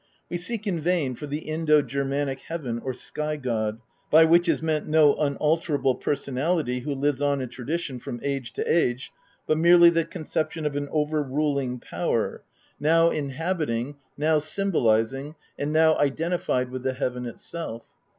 We seek in vain for the Indo Germanic Heaven or Sky god, by which is meant no unalterable personality who lives on in tradition from age to age, but merely the conception of an over ruling power, now INTRODUCTION. vil inhabiting, now symbolising, and now identified with the heaven itself.